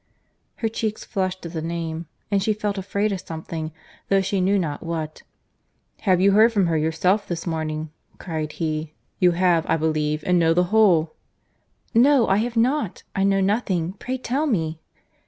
Her cheeks flushed at the name, and she felt afraid of something, though she knew not what. "Have you heard from her yourself this morning?" cried he. "You have, I believe, and know the whole." "No, I have not; I know nothing; pray tell me."